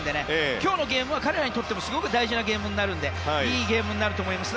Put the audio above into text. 今日のゲームは彼らにとってもすごく大事になるのでいいゲームになると思います。